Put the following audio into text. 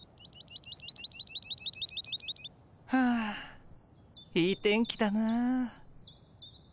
はあいい天気だな。